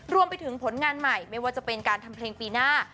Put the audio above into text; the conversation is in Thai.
รวมไปถึงผลงานใหม่ไม่ว่าจะเป็นการทำเพลงปีหน้า